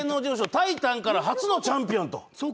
タイタンから初のチャンピオンと。